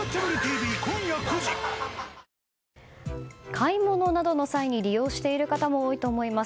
買い物などの際に利用している方も多いと思います